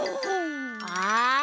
あ！